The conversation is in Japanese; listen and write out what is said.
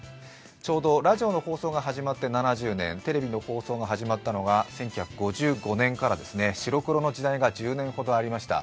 ちょうどラジオの放送が始まって７０年、テレビの放送が始まったのが１９５５年からですね白黒の時代が１０年ほどありました。